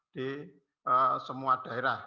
di semua daerah